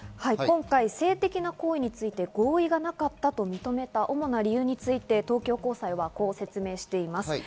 今回、性的な行為について合意がなかったと認めた主な理由について東京高裁はこう説明しています。